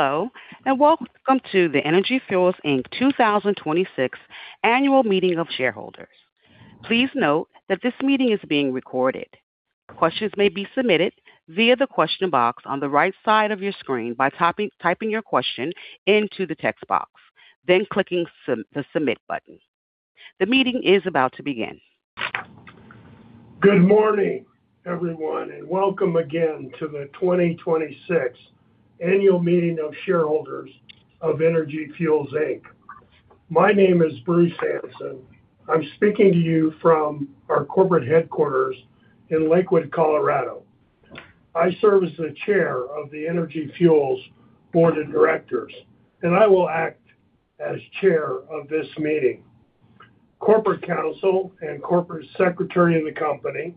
Hello, welcome to the Energy Fuels Inc. 2026 Annual Meeting of Shareholders. Please note that this meeting is being recorded. Questions may be submitted via the question box on the right side of your screen by typing your question into the text box, then clicking the submit button. The meeting is about to begin. Good morning, everyone, welcome again to the 2026 Annual Meeting of Shareholders of Energy Fuels Inc. My name is Bruce Hansen. I'm speaking to you from our corporate headquarters in Lakewood, Colorado. I serve as the chair of the Energy Fuels board of directors, I will act as chair of this meeting. Corporate Counsel and Corporate Secretary of the company,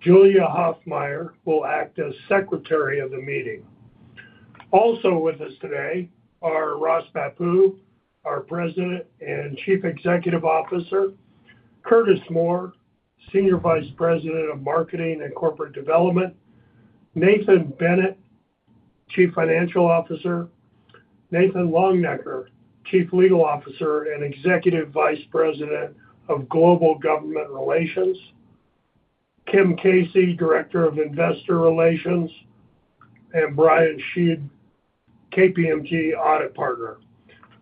Julia Hoffmeier, will act as secretary of the meeting. Also with us today are Ross Bhappu, our President and Chief Executive Officer, Curtis Moore, Senior Vice President of Marketing and Corporate Development, Nathan Bennett, Chief Financial Officer, Nathan Longenecker, Chief Legal Officer and Executive Vice President of Global Government Relations, Kim Casey, Director of Investor Relations, and Brian Sweet, KPMG audit partner.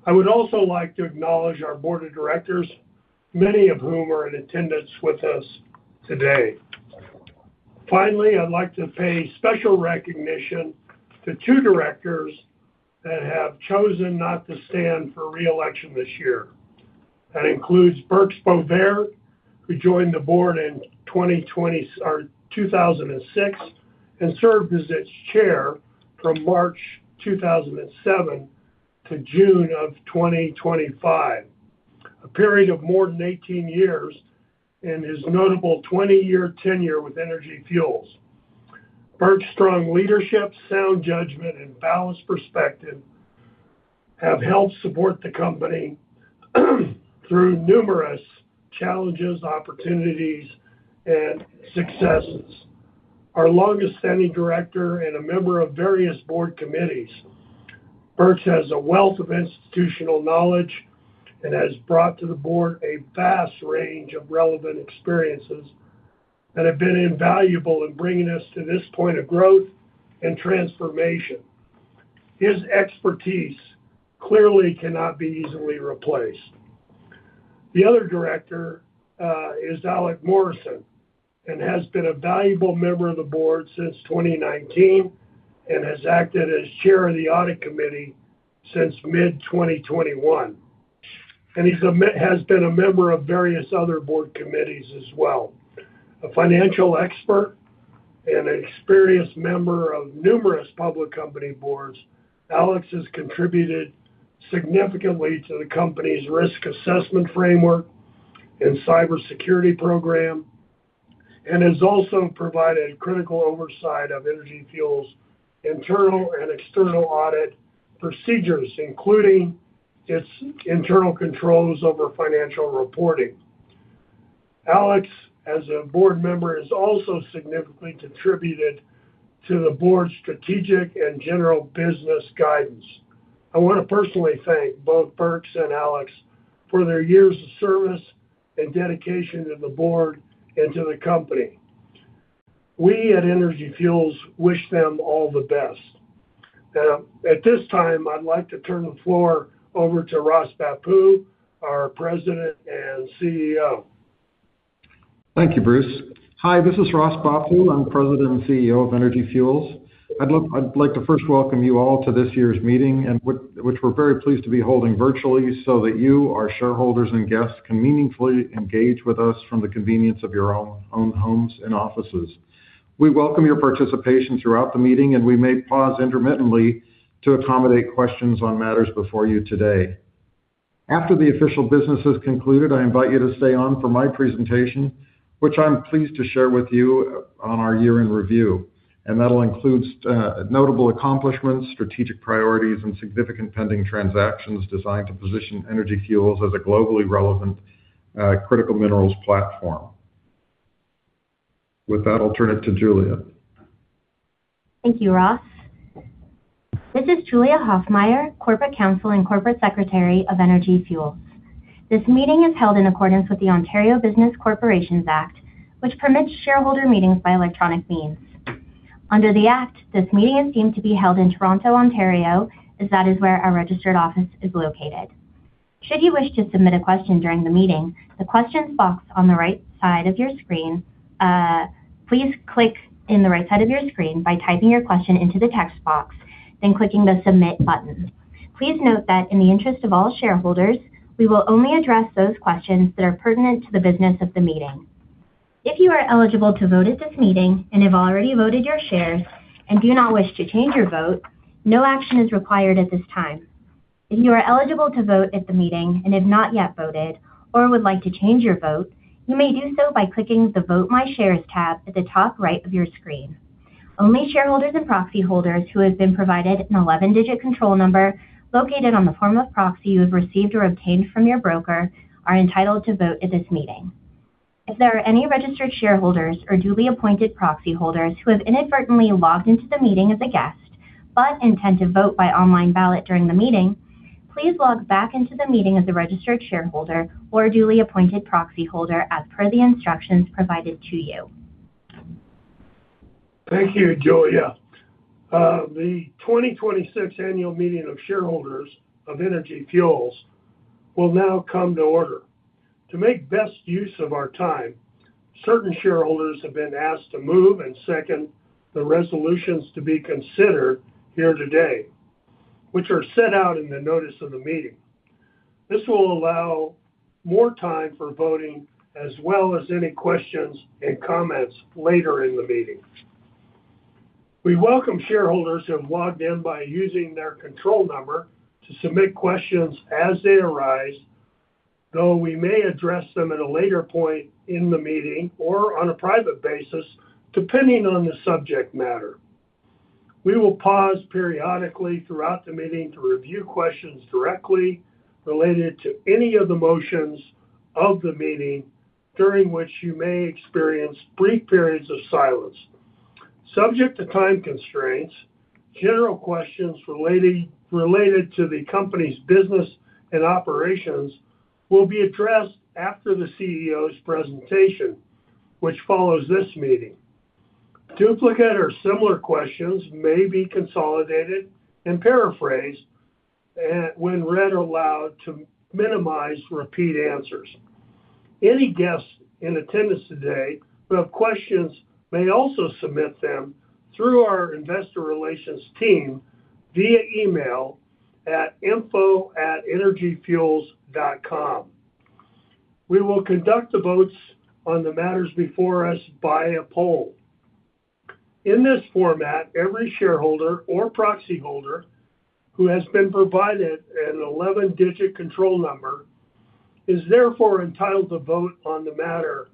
I would also like to acknowledge our board of directors, many of whom are in attendance with us today. Finally, I'd like to pay special recognition to two directors that have chosen not to stand for re-election this year. That includes Birks Bovaird, who joined the board in 2006 and served as its chair from March 2007 to June of 2025, a period of more than 18 years in his notable 20-year tenure with Energy Fuels. Burks' strong leadership, sound judgment, and balanced perspective have helped support the company through numerous challenges, opportunities, and successes. Our longest-standing director and a member of various board committees, Burks has a wealth of institutional knowledge and has brought to the board a vast range of relevant experiences that have been invaluable in bringing us to this point of growth and transformation. His expertise clearly cannot be easily replaced. The other director is Alex Morrison has been a valuable member of the board since 2019 has acted as chair of the audit committee since mid-2021. He has been a member of various other board committees as well. A financial expert and an experienced member of numerous public company boards, Alex has contributed significantly to the company's risk assessment framework and cybersecurity program has also provided critical oversight of Energy Fuels internal and external audit procedures, including its internal controls over financial reporting. Alex, as a board member, has also significantly contributed to the board's strategic and general business guidance. I want to personally thank both Burks and Alex for their years of service and dedication to the board and to the company. We at Energy Fuels wish them all the best. At this time, I'd like to turn the floor over to Ross Bhappu, our President and CEO. Thank you, Bruce. Hi, this is Ross Bhappu. I'm President and CEO of Energy Fuels. I'd like to first welcome you all to this year's meeting, which we're very pleased to be holding virtually so that you, our shareholders and guests, can meaningfully engage with us from the convenience of your own homes and offices. We welcome your participation throughout the meeting. We may pause intermittently to accommodate questions on matters before you today. After the official business is concluded, I invite you to stay on for my presentation, which I'm pleased to share with you on our year-end review. That'll include notable accomplishments, strategic priorities, and significant pending transactions designed to position Energy Fuels as a globally relevant critical minerals platform. With that, I'll turn it to Julia. Thank you, Ross. This is Julia Hoffmeier, Corporate Counsel and Corporate Secretary of Energy Fuels. This meeting is held in accordance with the Ontario Business Corporations Act, which permits shareholder meetings by electronic means. Under the act, this meeting is deemed to be held in Toronto, Ontario, as that is where our registered office is located. Should you wish to submit a question during the meeting, please click in the right side of your screen by typing your question into the text box, then clicking the submit button. Please note that in the interest of all shareholders, we will only address those questions that are pertinent to the business of the meeting. If you are eligible to vote at this meeting and have already voted your shares and do not wish to change your vote, no action is required at this time. If you are eligible to vote at the meeting and have not yet voted or would like to change your vote, you may do so by clicking the Vote My Shares tab at the top right of your screen. Only shareholders and proxy holders who have been provided an 11-digit control number located on the form of proxy you have received or obtained from your broker are entitled to vote at this meeting. If there are any registered shareholders or duly appointed proxy holders who have inadvertently logged into the meeting as a guest but intend to vote by online ballot during the meeting, please log back into the meeting as a registered shareholder or duly appointed proxy holder as per the instructions provided to you. Thank you, Julia. The 2026 Annual Meeting of Shareholders of Energy Fuels will now come to order. To make best use of our time, certain shareholders have been asked to move and second the resolutions to be considered here today, which are set out in the notice of the meeting. This will allow more time for voting, as well as any questions and comments later in the meeting. We welcome shareholders who have logged in by using their control number to submit questions as they arise, though we may address them at a later point in the meeting or on a private basis, depending on the subject matter. We will pause periodically throughout the meeting to review questions directly related to any of the motions of the meeting, during which you may experience brief periods of silence. Subject to time constraints, general questions related to the company's business and operations will be addressed after the CEO's presentation, which follows this meeting. Duplicate or similar questions may be consolidated and paraphrased when read aloud to minimize repeat answers. Any guests in attendance today who have questions may also submit them through our investor relations team via email at info@energyfuels.com. We will conduct the votes on the matters before us by a poll. In this format, every shareholder or proxy holder who has been provided an 11-digit control number is therefore entitled to vote on the matter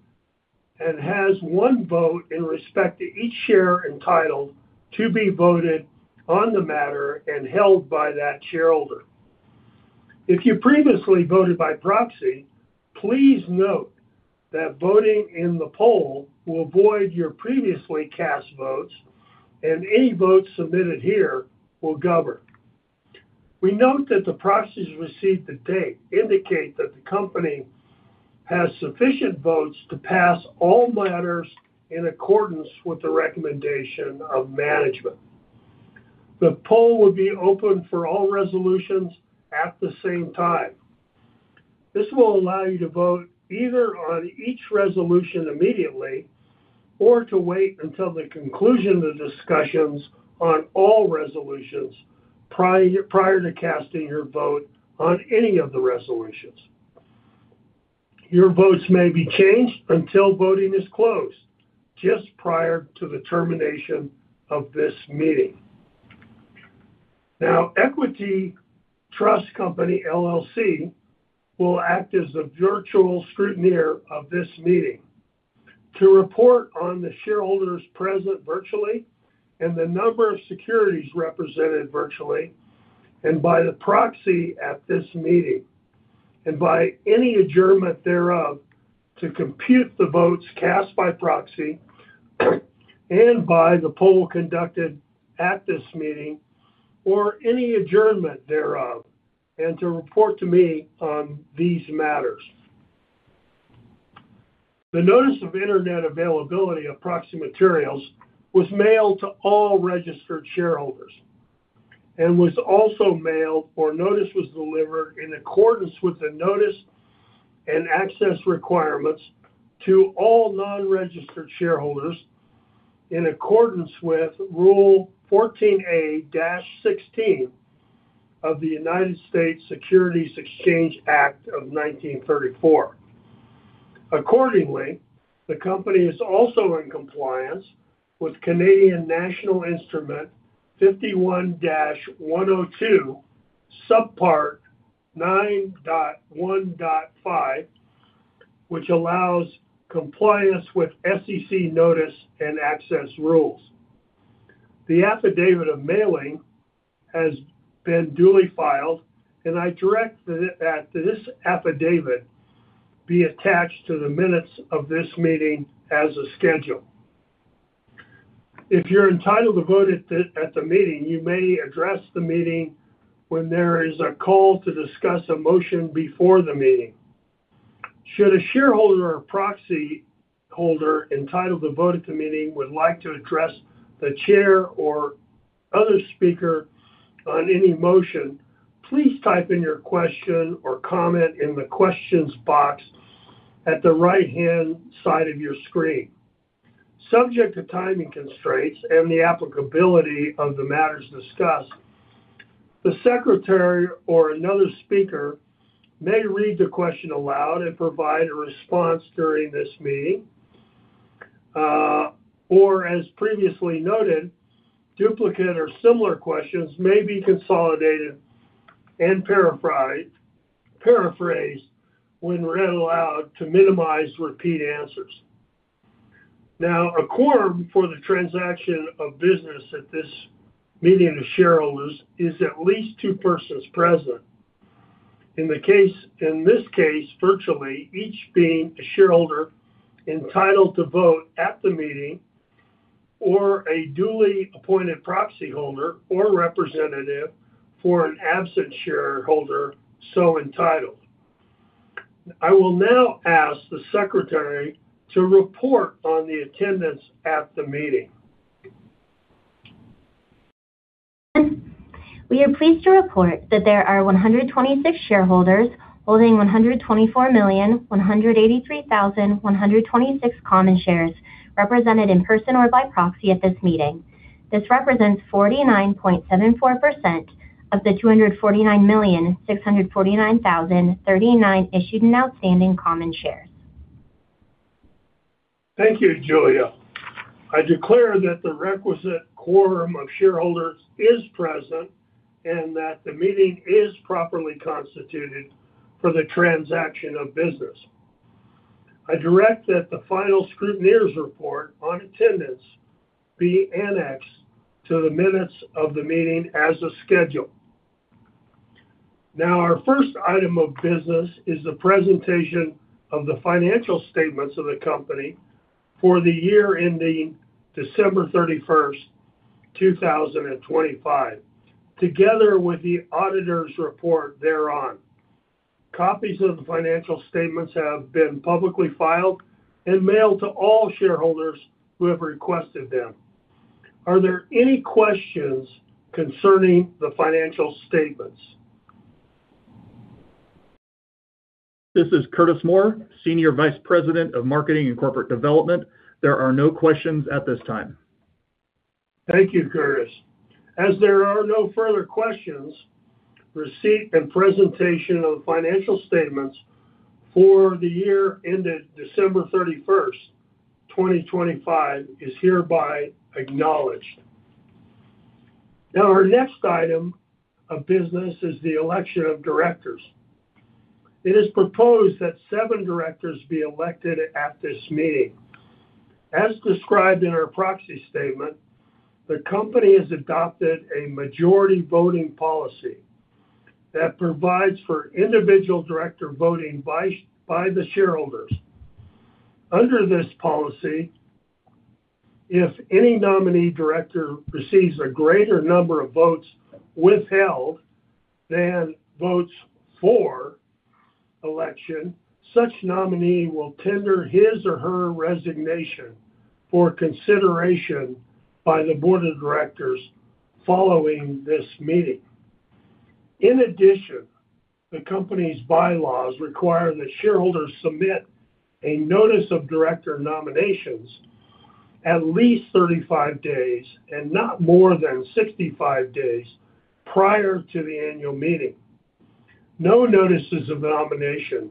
and has one vote in respect to each share entitled to be voted on the matter and held by that shareholder. If you previously voted by proxy, please note that voting in the poll will void your previously cast votes, and any votes submitted here will govern. We note that the proxies received to date indicate that the company has sufficient votes to pass all matters in accordance with the recommendation of management. The poll will be open for all resolutions at the same time. This will allow you to vote either on each resolution immediately or to wait until the conclusion of discussions on all resolutions prior to casting your vote on any of the resolutions. Your votes may be changed until voting is closed just prior to the termination of this meeting. Equity Trust Company LLC will act as the virtual scrutineer of this meeting to report on the shareholders present virtually and the number of securities represented virtually and by the proxy at this meeting and by any adjournment thereof to compute the votes cast by proxy and by the poll conducted at this meeting or any adjournment thereof, and to report to me on these matters. The notice of internet availability of proxy materials was mailed to all registered shareholders and was also mailed or notice was delivered in accordance with the notice and access requirements to all non-registered shareholders in accordance with Rule 14a-16 of the United States Securities Exchange Act of 1934. Accordingly, the company is also in compliance with Canadian National Instrument 51-102, Subpart 9.1.5, which allows compliance with SEC notice and access rules. The affidavit of mailing has been duly filed. I direct that this affidavit be attached to the minutes of this meeting as a schedule. If you're entitled to vote at the meeting, you may address the meeting when there is a call to discuss a motion before the meeting. Should a shareholder or proxy holder entitled to vote at the meeting would like to address the chair or other speaker on any motion, please type in your question or comment in the questions box at the right-hand side of your screen. Subject to timing constraints and the applicability of the matters discussed, the secretary or another speaker may read the question aloud and provide a response during this meeting. As previously noted, duplicate or similar questions may be consolidated and paraphrased when read aloud to minimize repeat answers. A quorum for the transaction of business at this meeting of shareholders is at least two persons present. In this case, virtually, each being a shareholder entitled to vote at the meeting, or a duly appointed proxyholder or representative for an absent shareholder so entitled. I will now ask the secretary to report on the attendance at the meeting. We are pleased to report that there are 126 shareholders holding 124,183,126 common shares represented in person or by proxy at this meeting. This represents 49.74% of the 249,649,039 issued and outstanding common shares. Thank you, Julia. I declare that the requisite quorum of shareholders is present and that the meeting is properly constituted for the transaction of business. I direct that the final scrutineer's report on attendance be annexed to the minutes of the meeting as a schedule. Our first item of business is the presentation of the financial statements of the company for the year ending December 31st, 2025, together with the auditor's report thereon. Copies of the financial statements have been publicly filed and mailed to all shareholders who have requested them. Are there any questions concerning the financial statements? This is Curtis Moore, Senior Vice President of Marketing and Corporate Development. There are no questions at this time. Thank you, Curtis. As there are no further questions, receipt and presentation of financial statements for the year ended December 31st, 2025, is hereby acknowledged. Our next item of business is the election of directors. It is proposed that seven directors be elected at this meeting. As described in our proxy statement, the company has adopted a majority voting policy that provides for individual director voting by the shareholders. Under this policy, if any nominee director receives a greater number of votes withheld than votes for election, such nominee will tender his or her resignation for consideration by the board of directors following this meeting. In addition, the company's bylaws require that shareholders submit a notice of director nominations at least 35 days, and not more than 65 days, prior to the annual meeting. No notices of nomination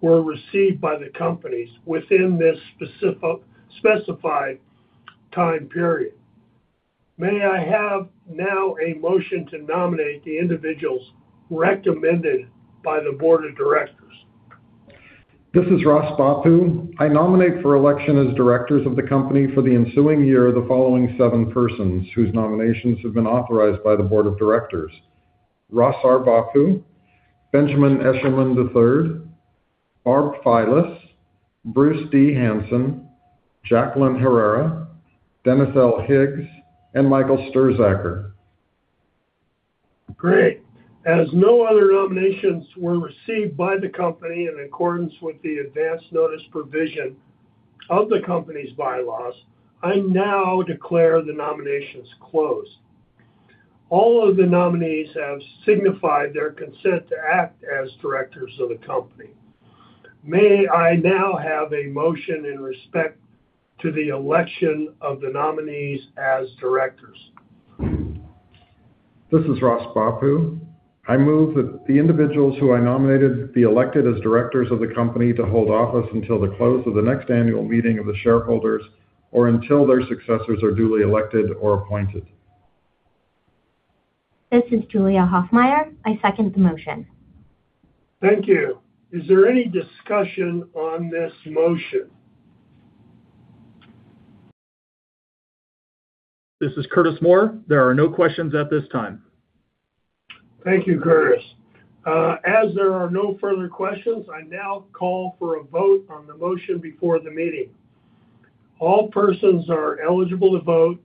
were received by the company within this specified time period. May I have now a motion to nominate the individuals recommended by the board of directors? This is Ross Bhappu. I nominate for election as directors of the company for the ensuing year the following seven persons, whose nominations have been authorized by the board of directors. Ross R. Bhappu, Benjamin Eshleman III, Barb Filas, Bruce D. Hansen, Jacqueline Herrera, Dennis L. Higgs, and Michael Stirzaker. Great. As no other nominations were received by the company in accordance with the advance notice provision of the company's bylaws, I now declare the nominations closed. All of the nominees have signified their consent to act as directors of the company. May I now have a motion in respect to the election of the nominees as directors? This is Ross Bhappu. I move that the individuals who I nominated be elected as directors of the company to hold office until the close of the next annual meeting of the shareholders, or until their successors are duly elected or appointed. This is Julia Hoffmeier. I second the motion. Thank you. Is there any discussion on this motion? This is Curtis Moore. There are no questions at this time. Thank you, Curtis. As there are no further questions, I now call for a vote on the motion before the meeting. All persons are eligible to vote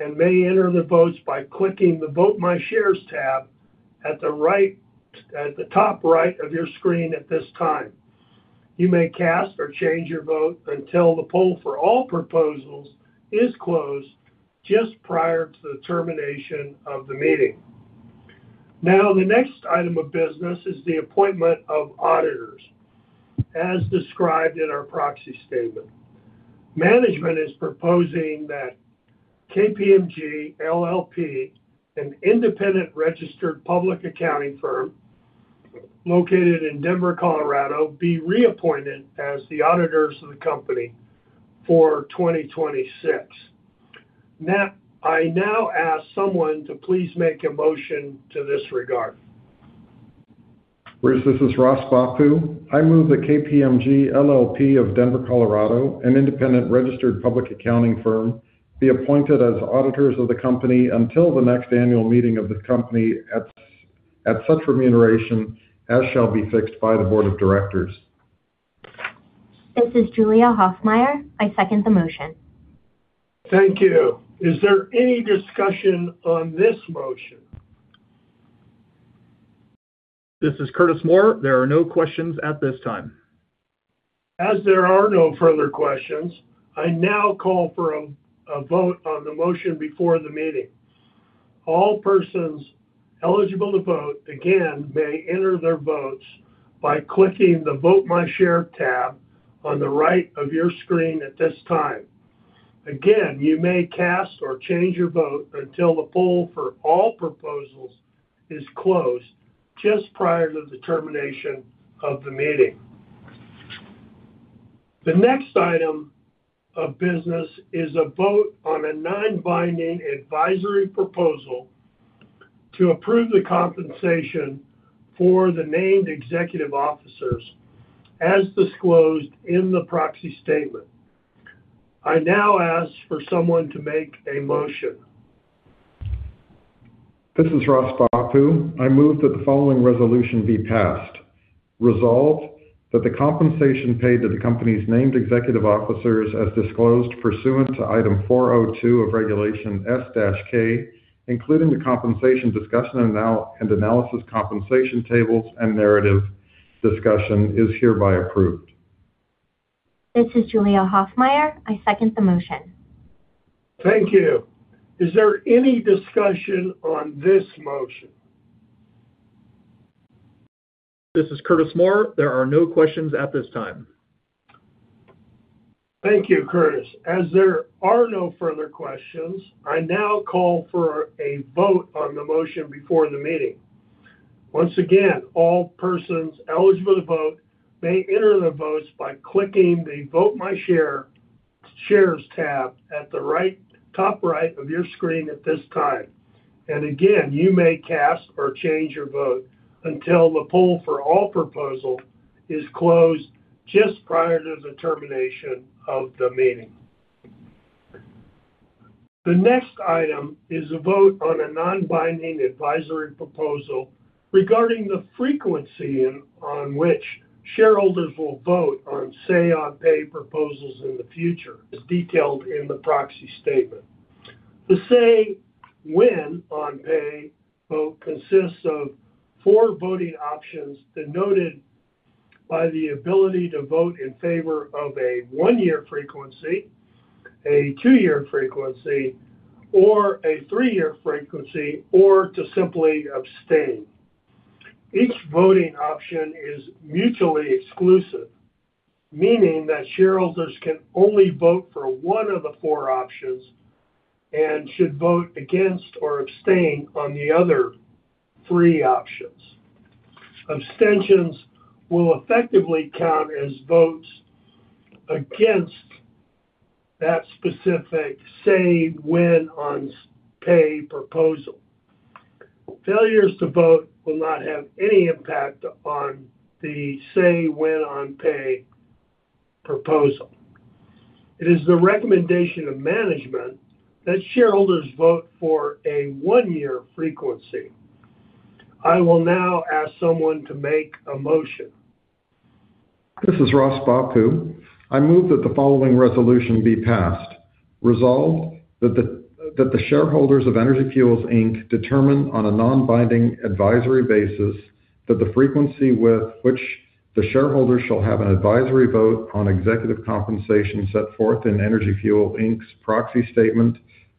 and may enter their votes by clicking the Vote My Shares tab at the top right of your screen at this time. You may cast or change your vote until the poll for all proposals is closed just prior to the termination of the meeting. The next item of business is the appointment of auditors. As described in our proxy statement, management is proposing that KPMG LLP, an independent registered public accounting firm located in Denver, Colorado, be reappointed as the auditors of the company for 2026. I now ask someone to please make a motion to this regard Ross, this is Ross Bhappu. I move that KPMG LLP of Denver, Colorado, an independent registered public accounting firm, be appointed as auditors of the company until the next annual meeting of the company at such remuneration as shall be fixed by the board of directors. This is Julia Hoffmeier. I second the motion. Thank you. Is there any discussion on this motion? This is Curtis Moore. There are no questions at this time. As there are no further questions, I now call for a vote on the motion before the meeting. All persons eligible to vote, again, may enter their votes by clicking the Vote My Share tab on the right of your screen at this time. Again, you may cast or change your vote until the poll for all proposals is closed just prior to the termination of the meeting. The next item of business is a vote on a non-binding advisory proposal to approve the compensation for the named executive officers as disclosed in the proxy statement. I now ask for someone to make a motion. This is Ross Bhappu. I move that the following resolution be passed. Resolved, that the compensation paid to the company's named executive officers as disclosed pursuant to Item 402 of Regulation S-K, including the compensation discussion and analysis compensation tables and narrative discussion, is hereby approved. This is Julia Hoffmeier. I second the motion. Thank you. Is there any discussion on this motion? This is Curtis Moore. There are no questions at this time. Thank you, Curtis. As there are no further questions, I now call for a vote on the motion before the meeting. Once again, all persons eligible to vote may enter their votes by clicking the Vote My Shares tab at the top right of your screen at this time. Again, you may cast or change your vote until the poll for all proposals is closed just prior to the termination of the meeting. The next item is a vote on a non-binding advisory proposal regarding the frequency on which shareholders will vote on Say-on-Pay proposals in the future, as detailed in the proxy statement. The Say-When-on-Pay vote consists of four voting options denoted by the ability to vote in favor of a one-year frequency, a two-year frequency, or a three-year frequency, or to simply abstain. Each voting option is mutually exclusive, meaning that shareholders can only vote for one of the four options and should vote against or abstain on the other three options. Abstentions will effectively count as votes against that specific Say-When-on-Pay proposal. Failures to vote will not have any impact on the Say-When-on-Pay proposal. It is the recommendation of management that shareholders vote for a one-year frequency. I will now ask someone to make a motion. This is Ross Bhappu. I move that the following resolution be passed. Resolved, that the shareholders of Energy Fuels Inc. determine on a non-binding advisory basis that the frequency with which the shareholders shall have an advisory vote on executive compensation set forth in Energy Fuels Inc.'s proxy statement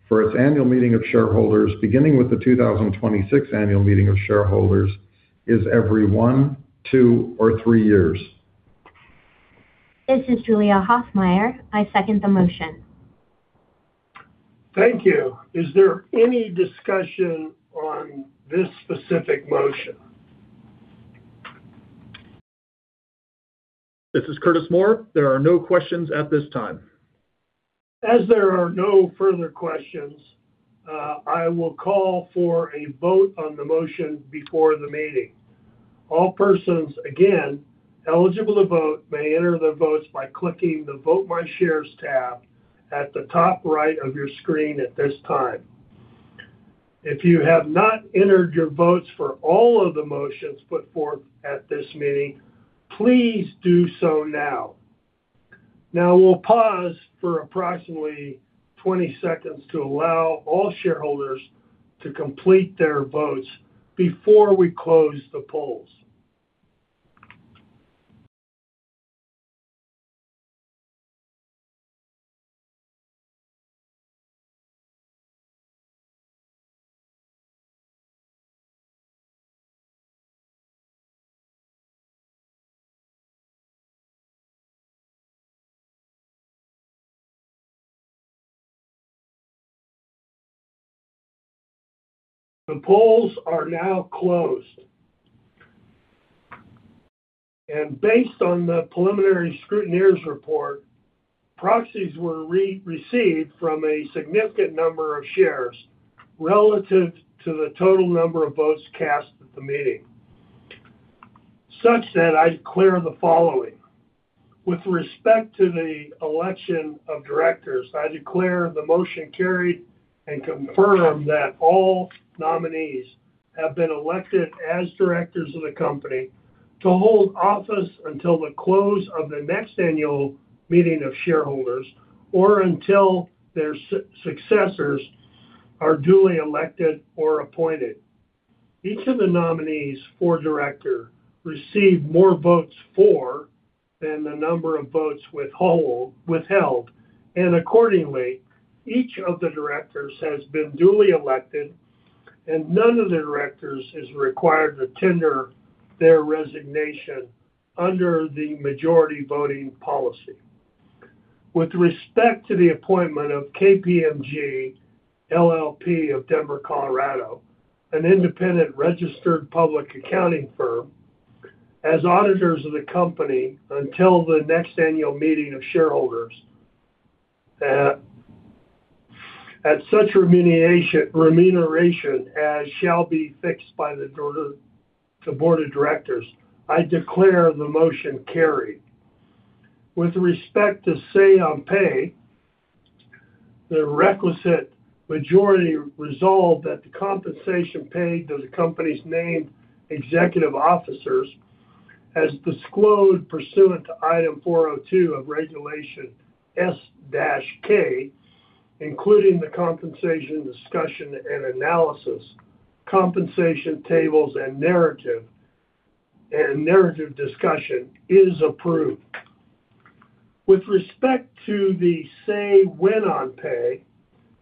for its annual meeting of shareholders beginning with the 2026 annual meeting of shareholders is every one, two, or three years. This is Julia Hoffmeier. I second the motion. Thank you. Is there any discussion on this specific motion? This is Curtis Moore. There are no questions at this time. As there are no further questions, I will call for a vote on the motion before the meeting. All persons, again, eligible to vote may enter their votes by clicking the Vote My Shares tab at the top right of your screen at this time. If you have not entered your votes for all of the motions put forth at this meeting, please do so now. Now, we'll pause for approximately 20 seconds to allow all shareholders to complete their votes before we close the polls. The polls are now closed. Based on the preliminary scrutineer's report, proxies were received from a significant number of shares relative to the total number of votes cast at the meeting, such that I declare the following. With respect to the election of directors, I declare the motion carried and confirm that all nominees have been elected as directors of the company to hold office until the close of the next annual meeting of shareholders or until their successors are duly elected or appointed. Each of the nominees for director received more votes for than the number of votes withheld. Accordingly, each of the directors has been duly elected and none of the directors is required to tender their resignation under the majority voting policy. With respect to the appointment of KPMG LLP of Denver, Colorado, an independent registered public accounting firm as auditors of the company until the next annual meeting of shareholders, at such remuneration as shall be fixed by the board of directors, I declare the motion carried. With respect to say on pay, the requisite majority resolved that the compensation paid to the company's named executive officers, as disclosed pursuant to Item 402 of Regulation S-K, including the compensation discussion and analysis, compensation tables and narrative discussion is approved. With respect to the say when on pay,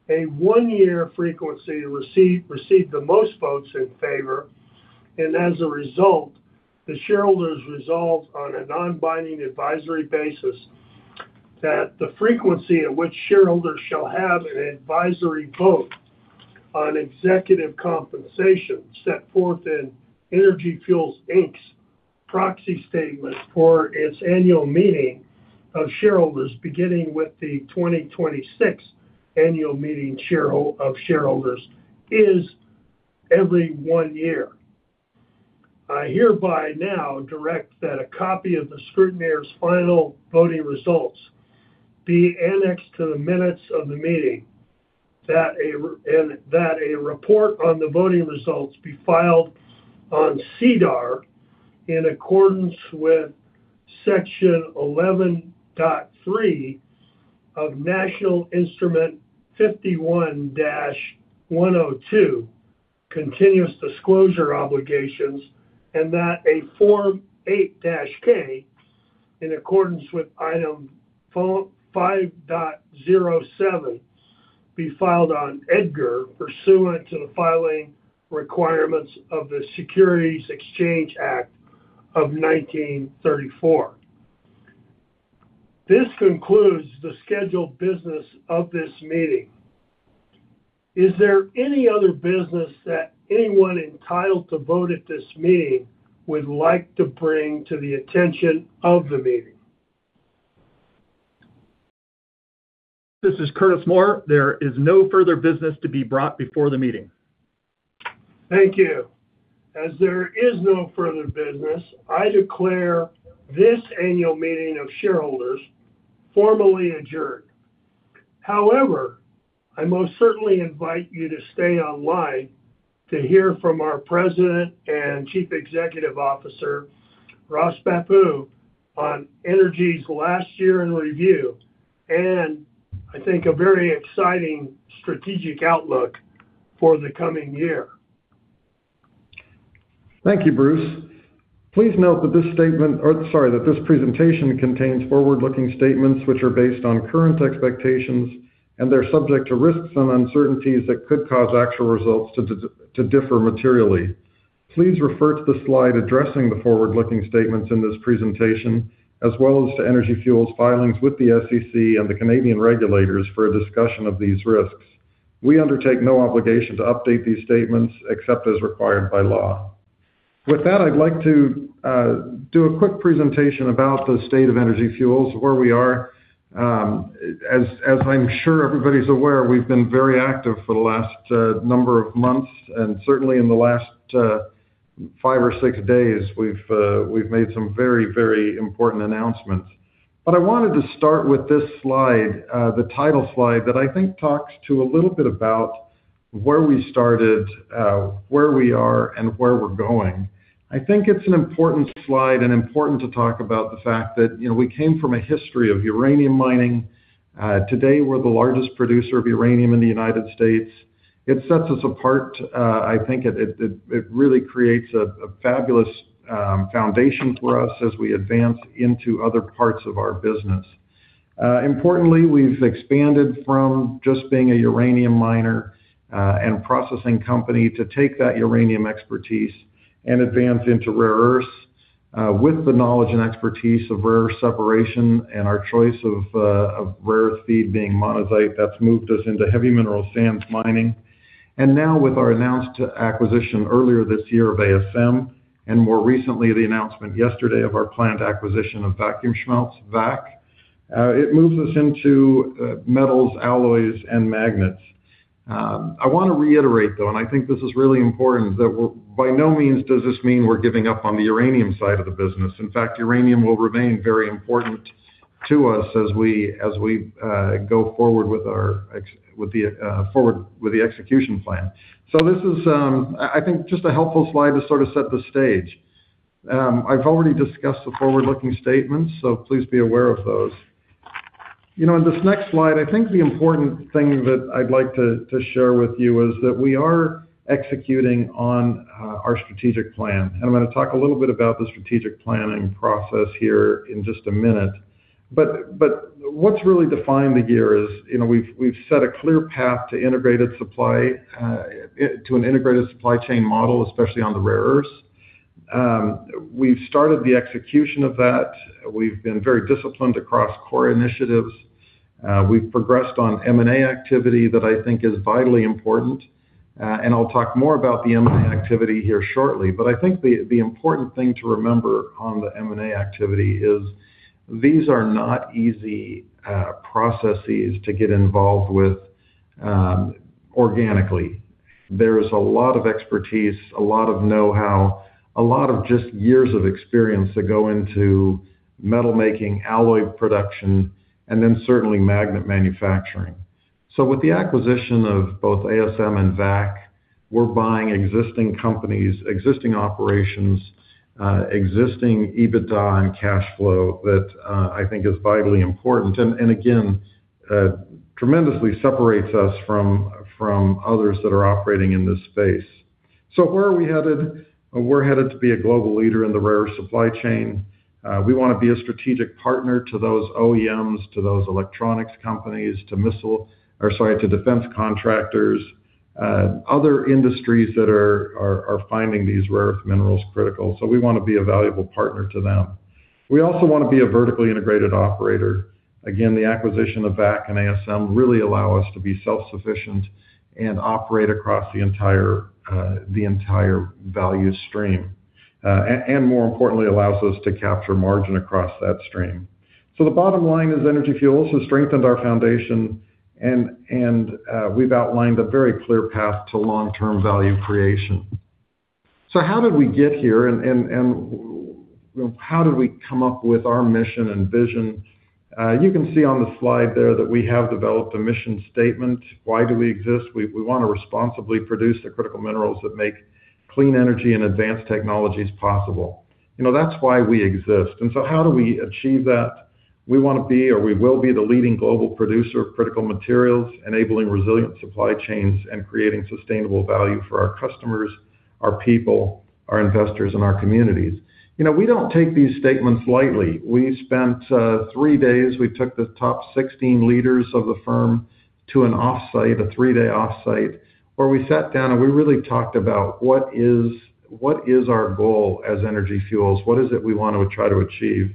a one-year frequency received the most votes in favor, and as a result, the shareholders resolved on a non-binding advisory basis that the frequency at which shareholders shall have an advisory vote on executive compensation set forth in Energy Fuels Inc.'s proxy statement for its annual meeting of shareholders, beginning with the 2026 annual meeting of shareholders, is every one year. I hereby now direct that a copy of the scrutineer's final voting results be annexed to the minutes of the meeting, and that a report on the voting results be filed on SEDAR in accordance with Section 11.3 of National Instrument 51-102, Continuous Disclosure Obligations, and that a Form 8-K, in accordance with Item 5.07, be filed on EDGAR pursuant to the filing requirements of the Securities Exchange Act of 1934. This concludes the scheduled business of this meeting. Is there any other business that anyone entitled to vote at this meeting would like to bring to the attention of the meeting? This is Curtis Moore. There is no further business to be brought before the meeting. Thank you. As there is no further business, I declare this annual meeting of shareholders formally adjourned. I most certainly invite you to stay online to hear from our President and Chief Executive Officer, Ross Bhappu, on Energy Fuels' last year in review, and I think a very exciting strategic outlook for the coming year. Thank you, Bruce. Please note that this presentation contains forward-looking statements, which are based on current expectations, and they're subject to risks and uncertainties that could cause actual results to differ materially. Please refer to the slide addressing the forward-looking statements in this presentation, as well as to Energy Fuels' filings with the SEC and the Canadian regulators for a discussion of these risks. We undertake no obligation to update these statements except as required by law. With that, I'd like to do a quick presentation about the state of Energy Fuels, where we are. As I'm sure everybody's aware, we've been very active for the last number of months, and certainly in the last five or six days, we've made some very important announcements. I wanted to start with this slide, the title slide that I think talks to a little bit about where we started, where we are, and where we're going. I think it's an important slide and important to talk about the fact that we came from a history of uranium mining. Today, we're the largest producer of uranium in the U.S. It sets us apart. I think it really creates a fabulous foundation for us as we advance into other parts of our business. Importantly, we've expanded from just being a uranium miner and processing company to take that uranium expertise and advance into rare earths. With the knowledge and expertise of rare earth separation and our choice of rare earth feed being monazite, that's moved us into heavy mineral sands mining. Now with our announced acquisition earlier this year of ASM, and more recently, the announcement yesterday of our planned acquisition of Vacuumschmelze, VAC, it moves us into metals, alloys, and magnets. I want to reiterate, though, and I think this is really important, that by no means does this mean we're giving up on the uranium side of the business. In fact, uranium will remain very important to us as we go forward with the execution plan. This is, I think, just a helpful slide to sort of set the stage. I've already discussed the forward-looking statements, so please be aware of those. In this next slide, I think the important thing that I'd like to share with you is that we are executing on our strategic plan. I'm going to talk a little bit about the strategic planning process here in just a minute. What's really defined the year is we've set a clear path to an integrated supply chain model, especially on the rare earths. We've started the execution of that. We've been very disciplined across core initiatives. We've progressed on M&A activity that I think is vitally important. I'll talk more about the M&A activity here shortly. I think the important thing to remember on the M&A activity is these are not easy processes to get involved with organically. There is a lot of expertise, a lot of know-how, a lot of just years of experience that go into metal making, alloy production, and then certainly magnet manufacturing. With the acquisition of both ASM and VAC, we're buying existing companies, existing operations, existing EBITDA and cash flow that I think is vitally important. Again, tremendously separates us from others that are operating in this space. Where are we headed? We're headed to be a global leader in the rare earth supply chain. We want to be a strategic partner to those OEMs, to those electronics companies, to missile, or sorry, to defense contractors, other industries that are finding these rare earth minerals critical. We want to be a valuable partner to them. We also want to be a vertically integrated operator. Again, the acquisition of VAC and ASM really allow us to be self-sufficient and operate across the entire value stream. More importantly, allows us to capture margin across that stream. The bottom line is Energy Fuels has strengthened our foundation and we've outlined a very clear path to long-term value creation. How did we get here and how did we come up with our mission and vision? You can see on the slide there that we have developed a mission statement. Why do we exist? We want to responsibly produce the critical minerals that make clean energy and advanced technologies possible. That's why we exist. How do we achieve that? We want to be, or we will be the leading global producer of critical materials, enabling resilient supply chains and creating sustainable value for our customers, our people, our investors, and our communities. We don't take these statements lightly. We spent three days, we took the top 16 leaders of the firm to an off-site, a three-day off-site, where we sat down and we really talked about what is our goal as Energy Fuels? What is it we want to try to achieve?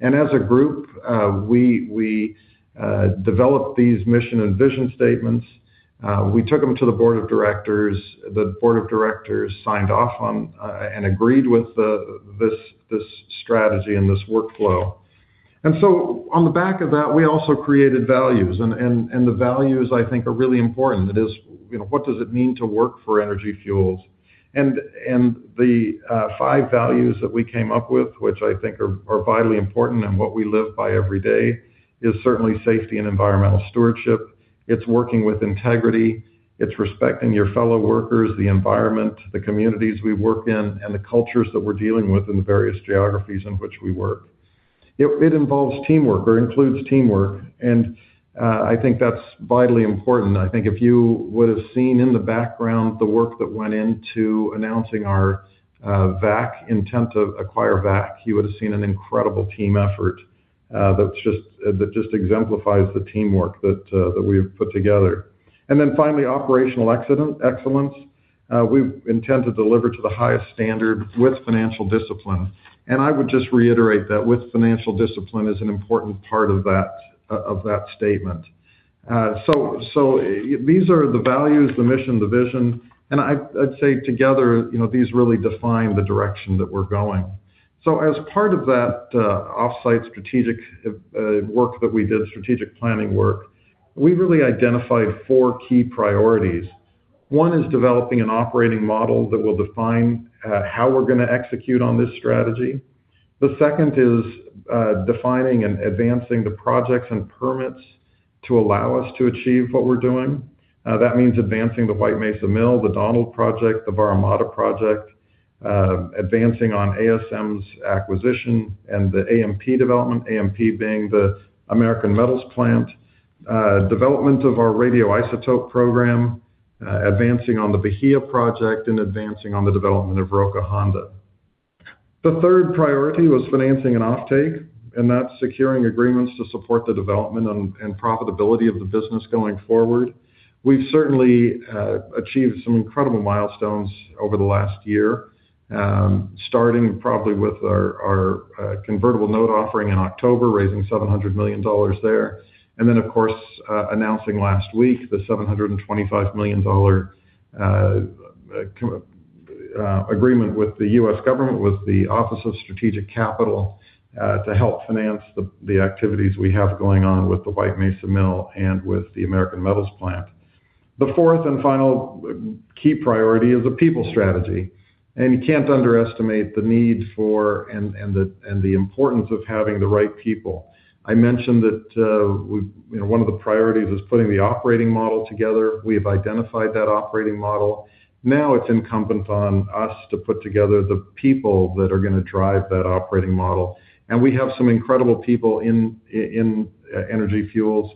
As a group, we developed these mission and vision statements. We took them to the board of directors. The board of directors signed off on and agreed with this strategy and this workflow. On the back of that, we also created values. The values I think are really important. That is, what does it mean to work for Energy Fuels? The five values that we came up with, which I think are vitally important and what we live by every day, is certainly safety and environmental stewardship. It's working with integrity. It's respecting your fellow workers, the environment, the communities we work in, and the cultures that we're dealing with in the various geographies in which we work. It involves teamwork, or includes teamwork. I think that's vitally important. If you would have seen in the background the work that went into announcing our VAC, intent to acquire VAC, you would have seen an incredible team effort that just exemplifies the teamwork that we've put together. Finally, operational excellence. We intend to deliver to the highest standard with financial discipline. I would just reiterate that with financial discipline is an important part of that statement. These are the values, the mission, the vision. I'd say together, these really define the direction that we're going. As part of that off-site strategic work that we did, strategic planning work, we really identified four key priorities. One is developing an operating model that will define how we're going to execute on this strategy. The second is defining and advancing the projects and permits to allow us to achieve what we're doing. That means advancing the White Mesa Mill, the Donald Project, the Vara Mada Project, advancing on ASM's acquisition and the AMP development, AMP being the American Metals Plant. Development of our radioisotope program, advancing on the Bahia Project, advancing on the development of Roca Honda. The third priority was financing and offtake, that's securing agreements to support the development and profitability of the business going forward. We've certainly achieved some incredible milestones over the last year. Starting probably with our convertible note offering in October, raising $700 million there. Of course, announcing last week the $725 million agreement with the U.S. government, with the Office of Strategic Capital, to help finance the activities we have going on with the White Mesa Mill and with the American Metals Plant. The fourth and final key priority is the people strategy. You can't underestimate the need for and the importance of having the right people. I mentioned that one of the priorities is putting the operating model together. We have identified that operating model. Now it's incumbent on us to put together the people that are going to drive that operating model. We have some incredible people in Energy Fuels.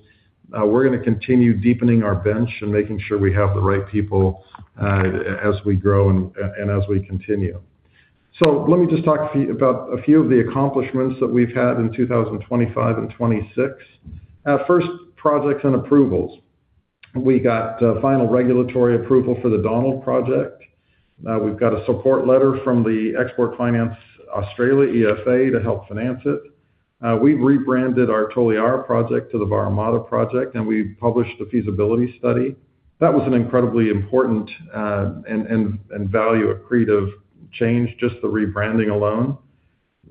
We're going to continue deepening our bench and making sure we have the right people as we grow and as we continue. Let me just talk about a few of the accomplishments that we've had in 2025 and 2026. First, projects and approvals. We got final regulatory approval for the Donald Project. We've got a support letter from the Export Finance Australia, EFA, to help finance it. We've rebranded our Toliara Project to the Vara Mada Project, we published the feasibility study. That was an incredibly important and value accretive change, just the rebranding alone.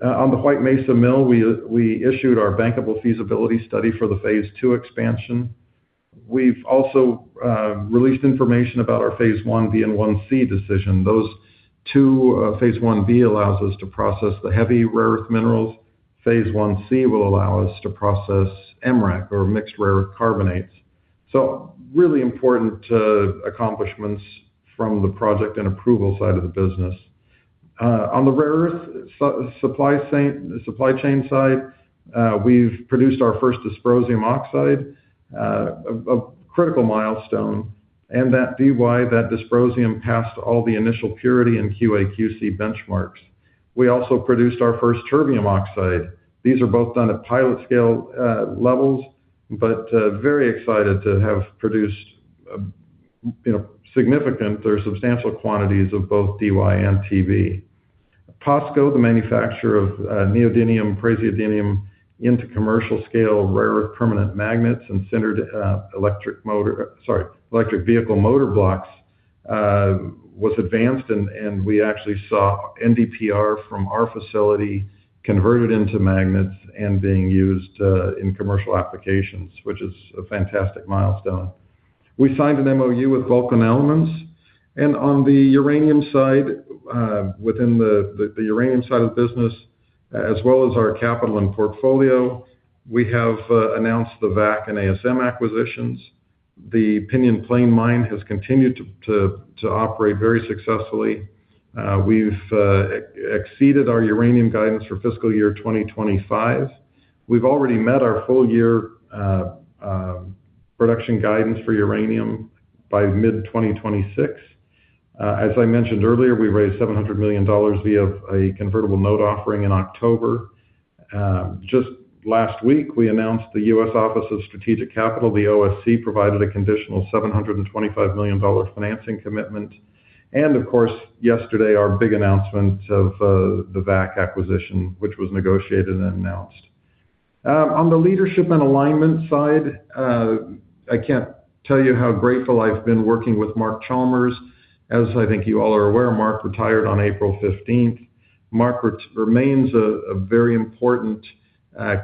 On the White Mesa Mill, we issued our bankable feasibility study for the Phase 2 expansion. We've also released information about our Phase 1B and 1C decision. Those two, Phase 1B allows us to process the heavy rare earth minerals. Phase 1C will allow us to process MRAC or mixed rare earth carbonates. Really important accomplishments from the project and approval side of the business. On the rare earth supply chain side, we've produced our first dysprosium oxide, a critical milestone, that Dy, that dysprosium passed all the initial purity and QA/QC benchmarks. We also produced our first terbium oxide. These are both done at pilot scale levels, but very excited to have produced significant or substantial quantities of both Dy and Tb. POSCO, the manufacturer of neodymium, praseodymium into commercial scale rare earth permanent magnets and sintered electric motor, sorry, electric vehicle motor blocks, was advanced and we actually saw NdPr from our facility converted into magnets and being used in commercial applications, which is a fantastic milestone. We signed an MoU with Vulcan Elements. On the uranium side, within the uranium side of the business, as well as our capital and portfolio, we have announced the VAC and ASM acquisitions. The Pinyon Plain Mine has continued to operate very successfully. We've exceeded our uranium guidance for FY 2025. We've already met our full year production guidance for uranium by mid-2026. As I mentioned earlier, we raised $700 million via a convertible note offering in October. Just last week we announced the U.S. Office of Strategic Capital, the OSC, provided a conditional $725 million financing commitment. Of course, yesterday our big announcement of the VAC acquisition, which was negotiated and announced. On the leadership and alignment side, I can't tell you how grateful I've been working with Mark Chalmers. As I think you all are aware, Mark retired on April 15th. Mark remains a very important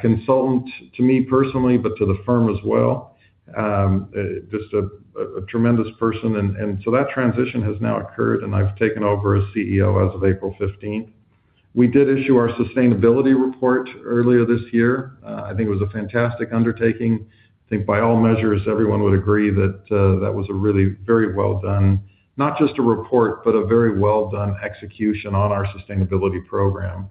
consultant to me personally, but to the firm as well. Just a tremendous person, that transition has now occurred and I've taken over as CEO as of April 15th. We did issue our sustainability report earlier this year. I think it was a fantastic undertaking. I think by all measures everyone would agree that that was a really very well done, not just a report, but a very well done execution on our sustainability program.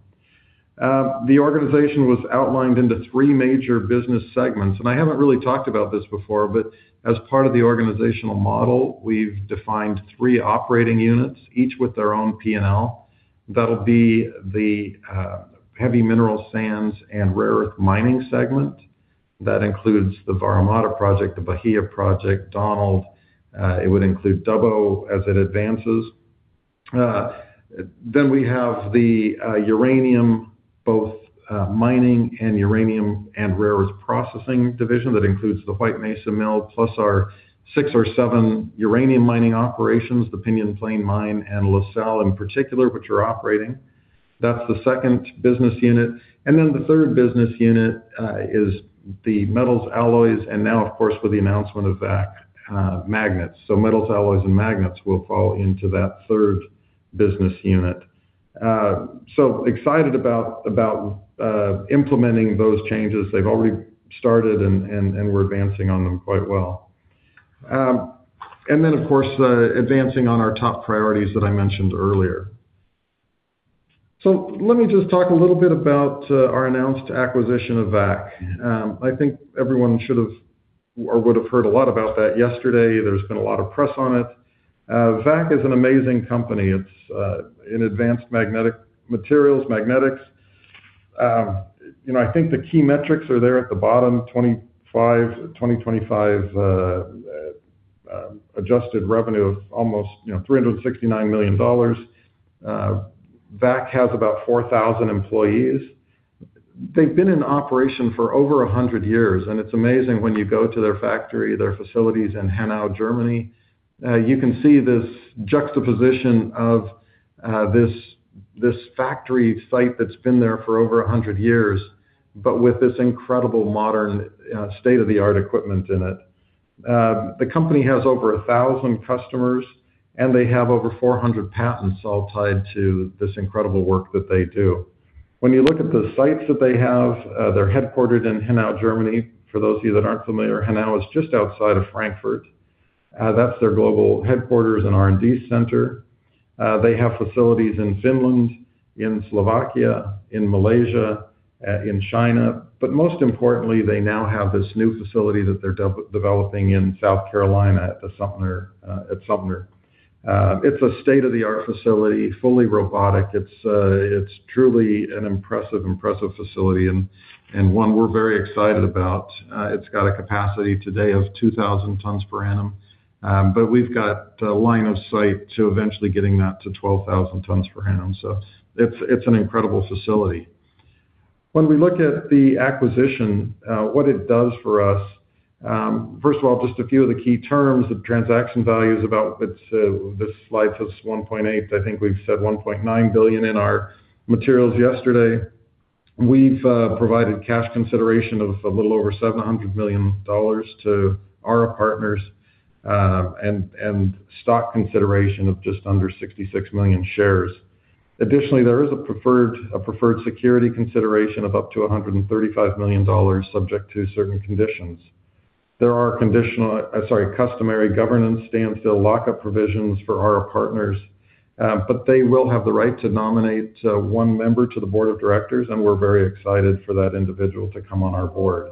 The organization was outlined into three major business segments. I haven't really talked about this before, but as part of the organizational model we've defined three operating units, each with their own P&L. That'll be the heavy mineral sands and rare earth mining segment. That includes the Vara Mada Project, the Bahia project, Donald. It would include Dubbo as it advances. We have the uranium, both mining and uranium and rare earth processing division. That includes the White Mesa Mill plus our six or seven uranium mining operations, the Pinyon Plain Mine and La Sal in particular, which are operating. That's the second business unit. The third business unit is the metals alloys and now of course with the announcement of VAC, magnets. Metals alloys and magnets will fall into that third business unit. Excited about implementing those changes. They've already started and we're advancing on them quite well. Of course, advancing on our top priorities that I mentioned earlier. Let me just talk a little bit about our announced acquisition of VAC. I think everyone should have or would have heard a lot about that yesterday. There's been a lot of press on it. VAC is an amazing company. It's an advanced magnetic materials, magnetics. I think the key metrics are there at the bottom, 2025 revenue Adjusted revenue of almost $369 million. VAC has about 4,000 employees. They've been in operation for over 100 years, and it's amazing when you go to their factory, their facilities in Hanau, Germany. You can see this juxtaposition of this factory site that's been there for over 100 years, but with this incredible modern state-of-the-art equipment in it. The company has over 1,000 customers. They have over 400 patents all tied to this incredible work that they do. When you look at the sites that they have, they're headquartered in Hanau, Germany. For those of you that aren't familiar, Hanau is just outside of Frankfurt. That's their global headquarters and R&D center. They have facilities in Finland, in Slovakia, in Malaysia, in China. Most importantly, they now have this new facility that they're developing in South Carolina at Sumter. It's a state-of-the-art facility, fully robotic. It's truly an impressive facility and one we're very excited about. It's got a capacity today of 2,000 tons per annum. We've got a line of sight to eventually getting that to 12,000 tons per annum. It's an incredible facility. When we look at the acquisition, what it does for us, first of all, just a few of the key terms. The transaction value is about, this slide says $1.8 billion, I think we've said $1.9 billion in our materials yesterday. We've provided cash consideration of a little over $700 million to our partners, and stock consideration of just under 66 million shares. Additionally, there is a preferred security consideration of up to $135 million subject to certain conditions. There are customary governance standstill lock-up provisions for our partners. They will have the right to nominate one member to the board of directors, and we're very excited for that individual to come on our board.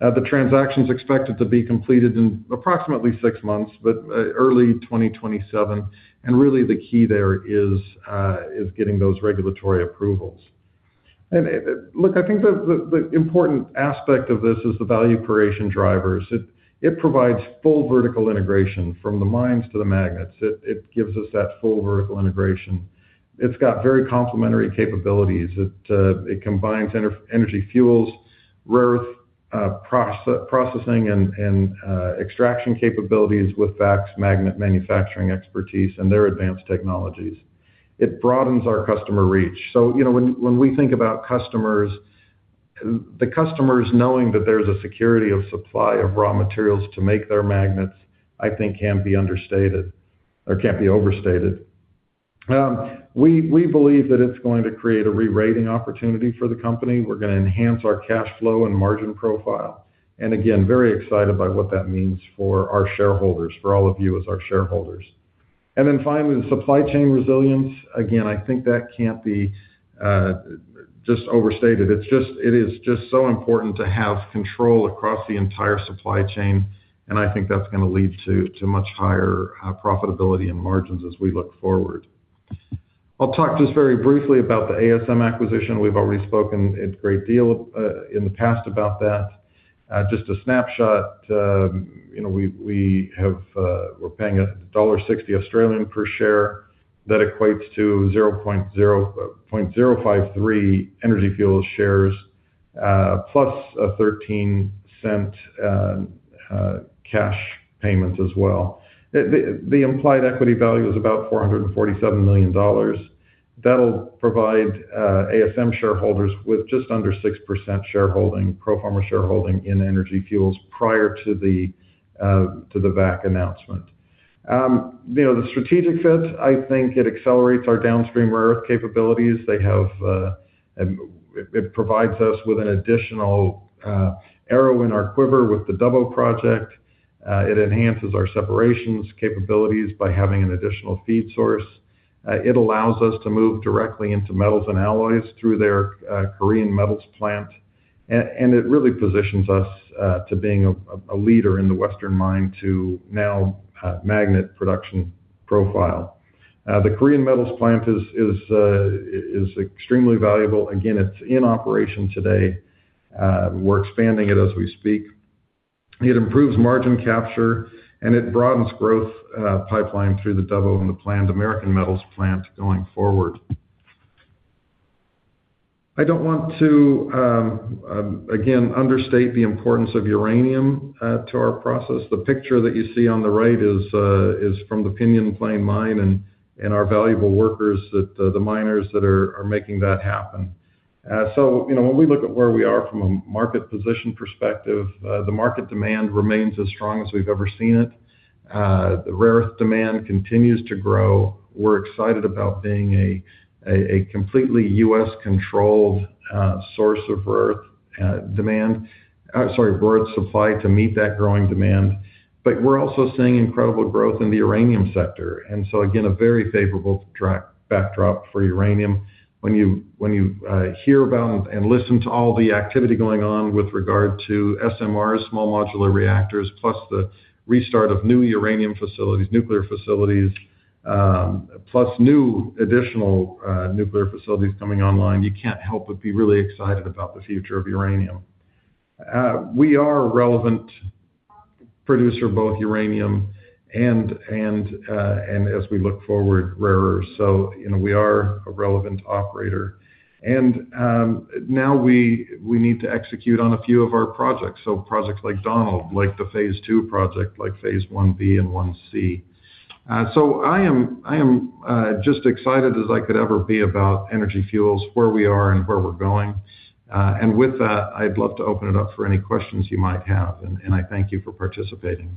The transaction's expected to be completed in approximately six months, but early 2027. Really the key there is getting those regulatory approvals. Look, I think the important aspect of this is the value creation drivers. It provides full vertical integration from the mines to the magnets. It gives us that full vertical integration. It's got very complementary capabilities. It combines Energy Fuels' rare earth processing and extraction capabilities with VAC's magnet manufacturing expertise and their advanced technologies. It broadens our customer reach. When we think about customers, the customers knowing that there's a security of supply of raw materials to make their magnets, I think can't be understated or can't be overstated. We believe that it's going to create a re-rating opportunity for the company. We're going to enhance our cash flow and margin profile. Again, very excited by what that means for our shareholders, for all of you as our shareholders. Finally, the supply chain resilience. Again, I think that can't be just overstated. It is just so important to have control across the entire supply chain. I think that's going to lead to much higher profitability and margins as we look forward. I'll talk just very briefly about the ASM acquisition. We've already spoken a great deal in the past about that. Just a snapshot. We're paying dollar 1.60 per share. That equates to 0.053 Energy Fuels shares, plus an 0.13 cash payment as well. The implied equity value is about $447 million. That'll provide ASM shareholders with just under 6% pro forma shareholding in Energy Fuels prior to the VAC announcement. The strategic fit, I think it accelerates our downstream rare earth capabilities. It provides us with an additional arrow in our quiver with the Dubbo Project. It enhances our separations capabilities by having an additional feed source. It allows us to move directly into metals and alloys through their Korean metals plant. It really positions us to being a leader in the Western mine to now magnet production profile. The Korean metals plant is extremely valuable. Again, it's in operation today. We're expanding it as we speak. It improves margin capture, and it broadens growth pipeline through the Dubbo and the planned American metals plant going forward. I don't want to, again, understate the importance of uranium to our process. The picture that you see on the right is from the Pinyon Plain mine and our valuable workers, the miners that are making that happen. When we look at where we are from a market position perspective, the market demand remains as strong as we've ever seen it. The rare earth demand continues to grow. We're excited about being a completely U.S.-controlled source of rare earth demand. Sorry, rare earth supply to meet that growing demand. We're also seeing incredible growth in the uranium sector. Again, a very favorable backdrop for uranium. When you hear about and listen to all the activity going on with regard to SMRs, small modular reactors, plus the restart of new uranium facilities, nuclear facilities, plus new additional nuclear facilities coming online, you can't help but be really excited about the future of uranium. We are a relevant producer of both uranium and, as we look forward, rare earths. We are a relevant operator. Now we need to execute on a few of our projects. Projects like Donald, like the Phase 2 project, like Phase 1B and 1C. I am just excited as I could ever be about Energy Fuels, where we are, and where we're going. With that, I'd love to open it up for any questions you might have. I thank you for participating.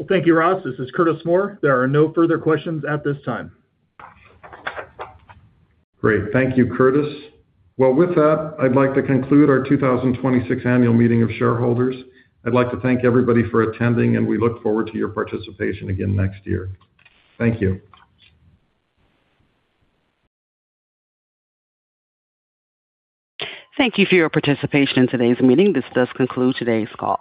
Well, thank you, Ross. This is Curtis Moore. There are no further questions at this time. Great. Thank you, Curtis. Well, with that, I'd like to conclude our 2026 annual meeting of shareholders. I'd like to thank everybody for attending, and we look forward to your participation again next year. Thank you. Thank you for your participation in today's meeting. This does conclude today's call.